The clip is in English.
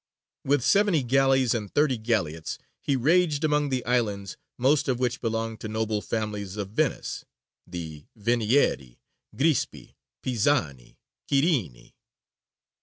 With seventy galleys and thirty galleots, he raged among the islands, most of which belonged to noble families of Venice the Venieri, Grispi, Pisani, Quirini.